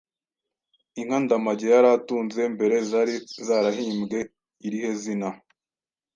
Inka Ndamage yari atunze mbere zari zarahimbwe irihe zina?